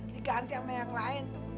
diganti sama yang lain tuh